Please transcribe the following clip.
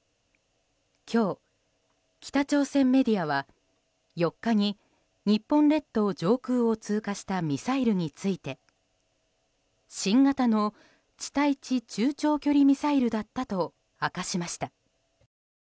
今日、北朝鮮メディアは４日に日本列島上空を通過したミサイルについて新型の地対地中長距離ミサイルだったと明かしました。